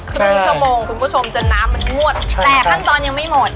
ครึ่งชั่วโมงคุณผู้ชมจนน้ำมันงวดใช่แต่ขั้นตอนยังไม่หมด